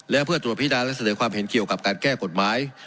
และเพื่อตรวจพินาและเสนอความเห็นเกี่ยวกับการแก้กฎหมาย